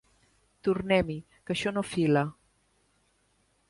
Tornem-hi, que això no fila!